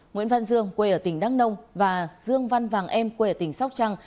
nguyễn văn dương quê ở tỉnh đăng nông và dương văn vàng em quê ở tỉnh sóc trăng